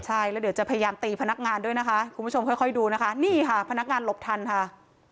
ใช่แล้วเดี๋ยวจะพยายามตีพนักงานด้วยนะคะคุณผู้ชมค่อยดูนะคะนี่ค่ะพนักงานหลบทันค่ะ